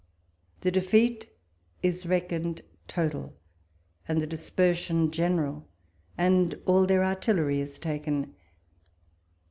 The defeat is reckoned total, and the dispersion general ; and all their artillery is taken.